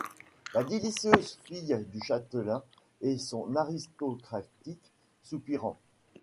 La délicieuse fille du châtelain et son aristocratique soupirant.